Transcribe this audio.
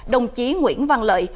đồng chí nguyễn văn lợi